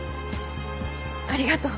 ありがとう。